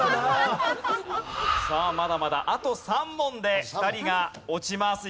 さあまだまだあと３問で２人が落ちます。